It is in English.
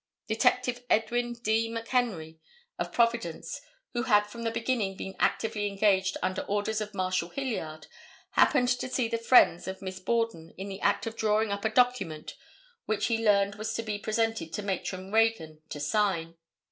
Detective Edwin D. McHenry, of Providence, who had from the beginning been actively engaged under orders of Marshal Hilliard, happened to see the friends of Miss Borden in the act of drawing up a document which he learned was to be presented to Matron Reagan to sign.